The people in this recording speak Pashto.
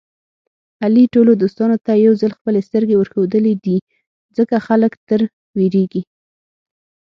علي ټولو دوستانو ته یوځل خپلې سترګې ورښودلې دي. ځکه خلک تر وېرېږي.